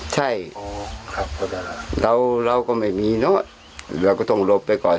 ใช่ครับเราเราก็ไม่มีเนอะเราก็ต้องหลบไปก่อน